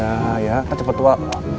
ya ya kacepetua